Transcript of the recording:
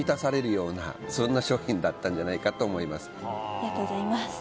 あそれはホントだったんじゃないかと思います